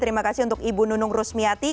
terima kasih untuk ibu nunung rusmiati